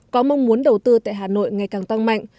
có mong muốn đầu tư tại hà nội ngày càng tăng mạnh